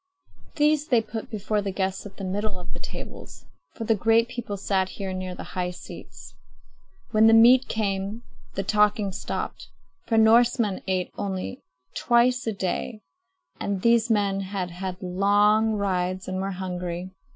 These they put before the guests at the middle of the tables; for the great people sat here near the high seats. When the meat came, the talking stopped; for Norsemen ate only twice a day, and these men had had long rides and were hungry.